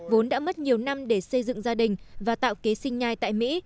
vốn đã mất nhiều năm để xây dựng gia đình và tạo kế sinh nhai tại mỹ